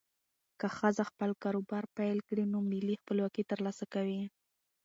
که ښځه خپل کاروبار پیل کړي، نو مالي خپلواکي ترلاسه کوي.